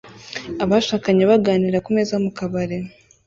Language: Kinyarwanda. Abashakanye baganira kumeza mukabari